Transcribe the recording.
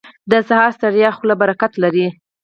• د سهار ستړې خوله برکت لري.